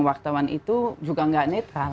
wartawan itu juga nggak netral